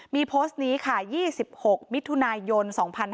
มีโพสต์นี้ค่ะ๒๖มิถุนายน๒๕๕๙